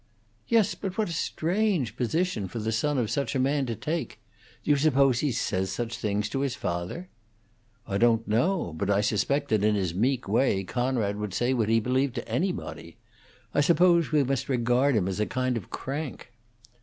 "Yes, but what a strange position for the son of such a man to take! Do you suppose he says such things to his father?" "I don't know; but I suspect that in his meek way Conrad would say what he believed to anybody. I suppose we must regard him as a kind of crank."